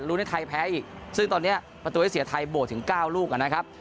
แล้วรู้ได้ไทยแพ้อีกซึ่งตอนนี้ประตูไอ้เสียไทยโบสถ์ถึง๙ลูกกันนะครับ